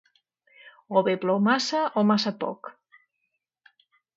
o be plou massa o massa poc.